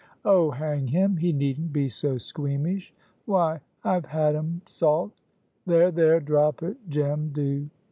"Oh, hang him! he needn't be so squeamish; why, I've had 'em salt " "There, there! drop it, Jem, do!"